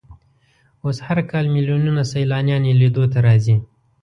اوس هر کال ملیونونه سیلانیان یې لیدو ته راځي.